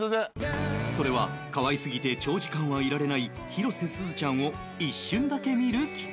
それは可愛すぎて長時間はいられない広瀬すずちゃんを一瞬だけ見る企画